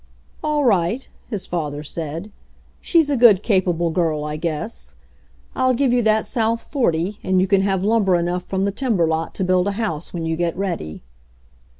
"All right," his father said. "She's a good, capable girl, I guess. I'll give you that south forty, and you can have lumber enough from the timber lot to build a house when you get ready."